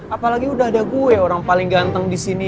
apalagi udah ada gue orang paling ganteng di sini